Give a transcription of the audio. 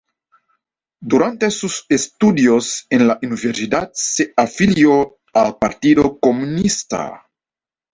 Durante sus estudios en la universidad se afilió al Partido Comunista.